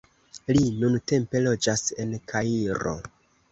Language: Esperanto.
Li nuntempe loĝas en Kairo.